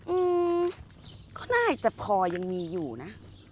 อืมก็น่าจะพอยังมีอยู่นะ